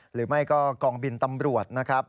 หรือไม่ก็กองบินตำรวจนะครับ